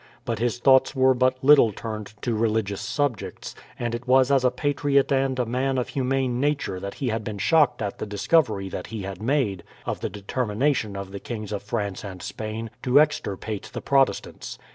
But his thoughts were but little turned to religious subjects, and it was as a patriot and a man of humane nature that he had been shocked at the discovery that he had made, of the determination of the kings of France and Spain to extirpate the Protestants.